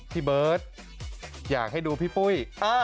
พี่เบิร์ตอยากให้ดูพี่ปุ้ย